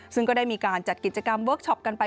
ซึ่งก็ได้มีการจัดกิจกรรมเวิร์คชอปกันไป